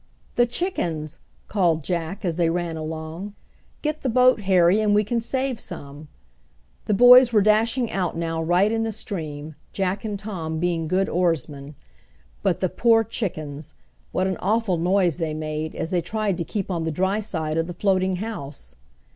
"The chickens!" called Jack, as they ran along. "Get the boat, Harry, and we can save some." The boys were dashing out now right in the stream, Jack and Tom being good oarsmen. But the poor chickens! What an awful noise they made, as they tried to keep on the dry side of the floating house!